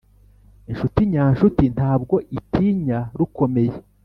inshuti nyanshuti ntabwo itinya rukomeye